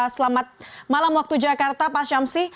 selamat malam waktu jakarta pak syamsi